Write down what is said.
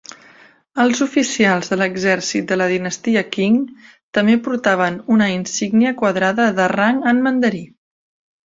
Els oficials de l'exèrcit de la dinastia Qing també portaven una insígnia quadrada de rang en mandarí.